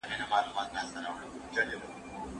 هغه معلومات چي زاړه سوي دي باید بیا وڅېړل سي.